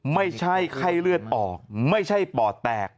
ไม่ใช่ไข้เลือดออกไม่ใช่ปอดแตก